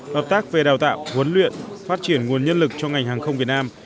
hợp tác về đào tạo huấn luyện phát triển nguồn nhân lực cho ngành hàng không việt nam